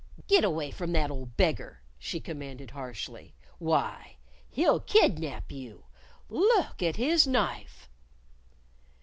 "Git away from that old beggar!" she commanded harshly. "Why, he'll kidnap you! Look at his knife!"